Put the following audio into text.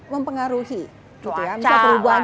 mempengaruhi gitu ya misalnya perubahan